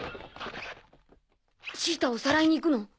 シータをさらいに行くの？